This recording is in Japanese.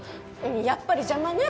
やっぱり邪魔ね